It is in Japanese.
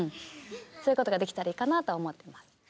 そういうことができたらいいかなとは思ってます。